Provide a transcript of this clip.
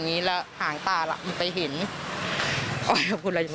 เธอขนลุกเลยนะคะเสียงอะไรอีกเสียงอะไรบางอย่างกับเธอแน่นอนค่ะ